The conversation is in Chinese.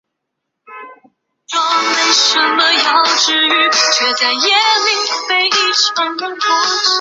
其目标是解决发生在澳门地区内之小额消费纠纷。